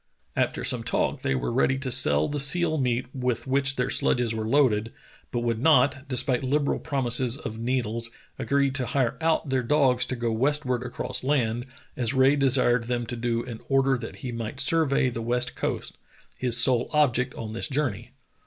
After some talk they were ready to sell the seal meat with which their sledges were loaded, but would not, despite liberal promises of needles, agree to hire out their dogs to go westward across land, as Rae desired them to do in order that he might survey the west coast — his sole object on this journey.